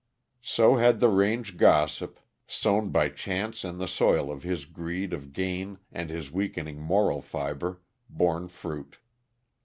So had the range gossip, sown by chance in the soil of his greed of gain and his weakening moral fiber, borne fruit.